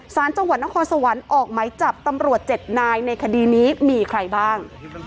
สารจังหวัดนครสวรรค์ออกไหมจับตำรวจ๗นายในคดีนี้มีใครบ้าง